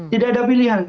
tidak ada pilihan